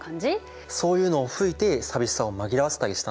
そういうのを吹いて寂しさを紛らわしたりしたんだろうね。